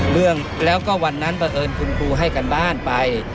เรื่องแล้วก็วันนั้นเพราะเอิญคุณครูให้กันบ้านไป